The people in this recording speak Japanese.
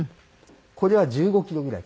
これは１５キロぐらい。